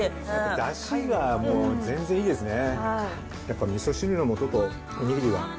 だしがもう全然いいですね。